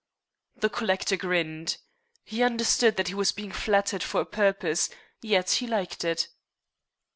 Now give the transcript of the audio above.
The collector grinned. He understood that he was being flattered for a purpose, yet he liked it.